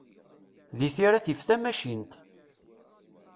Deg tira tif tamacint.